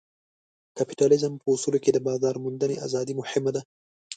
کپیټالیزم په اصولو کې د بازار موندنې ازادي مهمه ده.